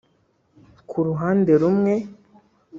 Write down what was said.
Ku ruhande rumwe